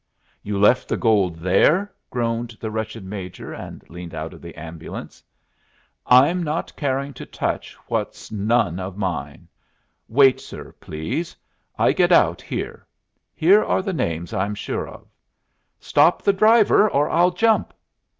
"You left the gold there!" groaned the wretched Major, and leaned out of the ambulance. "I'm not caring to touch what's none of mine. Wait, sir, please; I get out here. Here are the names I'm sure of. Stop the driver, or I'll jump."